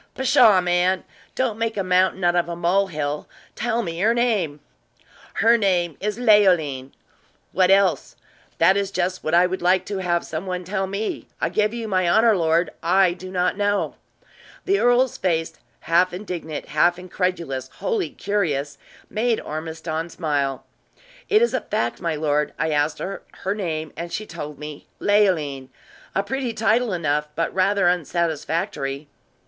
"Pshaw, man! don't make a mountain out of a mole hill! Tell me her name!" "Her name is Leoline." "What else?" "That is just what I would like to have some one tell me. I give you my honor, my lord, I do not know." The earl's face, half indignant, half incredulous, wholly curious, made Ormiston smile. "It is a fact, my lord. I asked her her name, and she told me Leoline a pretty title enough, but rather unsatisfactory."